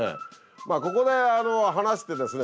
まあここで話してですね